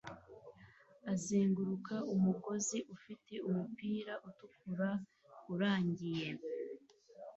azenguruka umugozi ufite umupira utukura urangiye